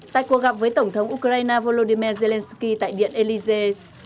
tại cuộc gặp với tổng thống ukraine volodymyr zelenskyy tại điện elysees